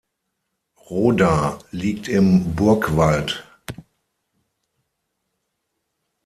Roda liegt im Burgwald.